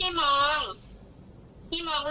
เขาก็บอกว่าเดี๋ยวเจอกูแน่อะไรอย่างนี้